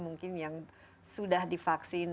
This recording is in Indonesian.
mungkin yang sudah divaksin